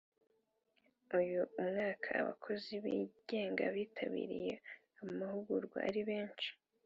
Uyu umwaka abakozi bingenga bitabiriye amahugurwa ari benshi